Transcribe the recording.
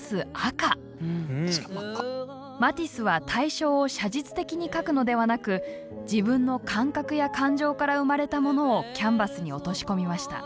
マティスは対象を写実的に描くのではなく自分の感覚や感情から生まれたものをキャンバスに落とし込みました。